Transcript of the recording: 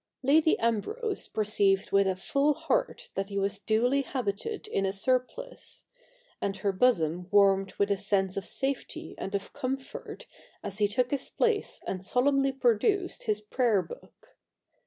Lady Ambrose perceived with a full heart that he was duly habited in a surplice ; and her bosom warmed with a sense of safety and of comfort as he took his place and solemnly produced his prayer book.